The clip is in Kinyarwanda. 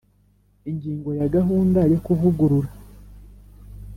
Ingingo ya Gahunda yo kuvugurura